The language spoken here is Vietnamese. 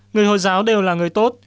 người hồi giáo đều là người tốt